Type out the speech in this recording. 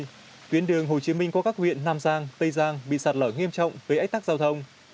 tại quảng nam tuyến đường hồ chí minh qua các huyện nam giang tây giang bị sạt lở nghiêm trọng với ách tắc giao thông